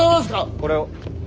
これを。